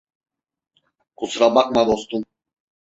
Kusura bakma dostum.